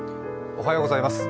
おはようございます。